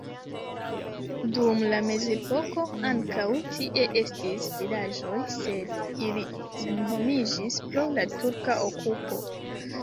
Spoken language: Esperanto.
Dum la mezepoko ankaŭ tie estis vilaĝoj, sed ili senhomiĝis pro la turka okupo.